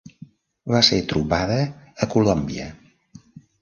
Va ser trobada a Colòmbia.